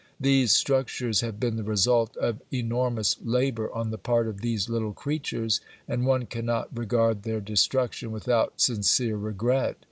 These structures have been the result of enormous labour on the part of these little creatures, and one cannot regard their destruction without sincere regret.